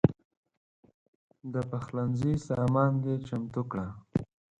د پخلنځي سامان دې چمتو کړه.